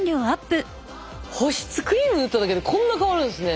保湿クリーム塗っただけでこんな変わるんですね。